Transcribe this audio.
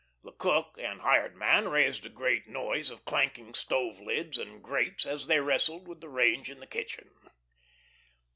The cook and hired man raised a great noise of clanking stove lids and grates as they wrestled with the range in the kitchen.